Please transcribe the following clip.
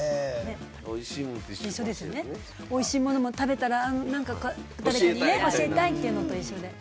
おいしいものも食べたらね、教えたいっていうのと一緒で。